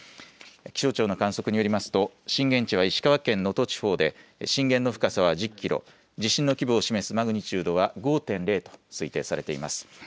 気象庁の観測によりますと震源地は石川県能登地方で震源の深さは１０キロ、地震の規模を示すマグニチュードは５．０と推定されています。